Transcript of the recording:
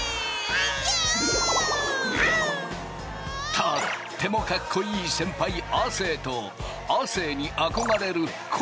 とってもかっこいい先輩亜生と亜生に憧れる昴